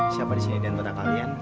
siapa disini dan pada kalian